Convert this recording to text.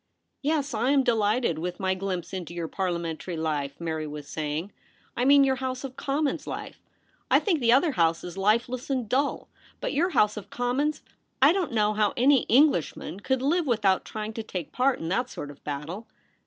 ' Yes, I am delighted with my glimpse into your Parliamentary life,' Mary was saying. * I mean your House of Commons life. I think the other House is lifeless and dull. But your House of Commons! I don't know how any Englishman could live without trying to take part in that sort of battle.'